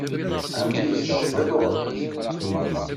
Ɛemmi yezdeɣ sdat uɣerbaz.